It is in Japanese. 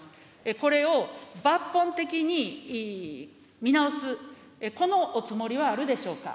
これを抜本的に見直す、このおつもりはあるでしょうか。